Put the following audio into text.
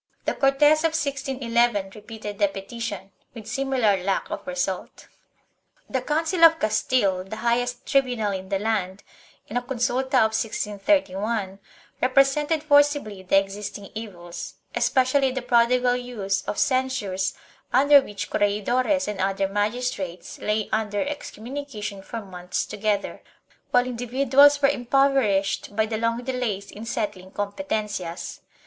The Cortes of 1611 repeated the petition, with similar lack of result.2 The Council of Castile, the highest tribunal in the land, in a consulta of 1631, represented forcibly the existing evils, espe cially the prodigal use of censures under which corregidores and other magistrates lay under excommunication for months together, while individuals were impoverished by the long delays in settling competencias.